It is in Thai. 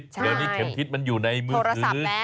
ตรงนี้เข็มทิศมันอยู่ในมือคือ